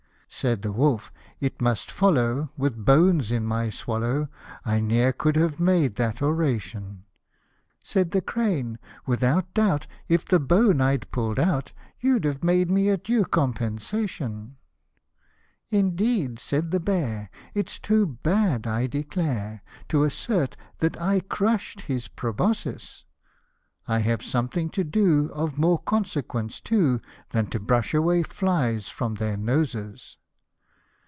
" Said the wolf, " It must follow, with bones in my swallow, I ne'er could have made that oration ;" Said the crane, " Without doubt, if the bone I'd pull'd out, You'd have made me a due compensation," 126 " Indeed," said the bear, '' it's too bad, I declare, To assert that I crush'd his proboscis ; I have something to do of more consequence too, Than to brush away flies from their noses